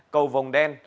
cầu vồng đen